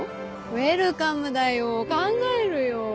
ウエルカムだよ考えるよ